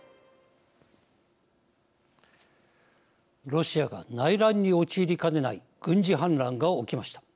ロシアが内乱に陥りかねない軍事反乱が起きました。